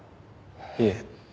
いえ。